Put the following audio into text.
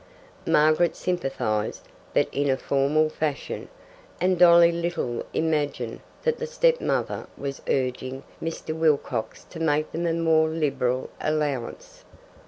Margaret sympathized, but in a formal fashion, and Dolly little imagined that the step mother was urging Mr. Wilcox to make them a more liberal allowance.